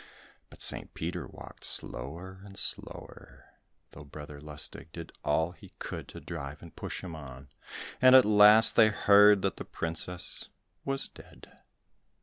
But St. Peter walked slower and slower, though Brother Lustig did all he could to drive and push him on, and at last they heard that the princess was dead.